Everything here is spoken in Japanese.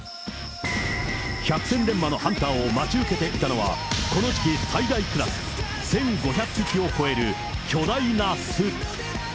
百戦錬磨のハンターを待ち受けていたのは、この時期最大クラス、１５００匹を超える巨大な巣。